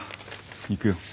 行くよ。